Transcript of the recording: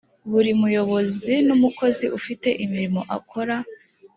buri muyobozi n umukozi ufite imirimo akora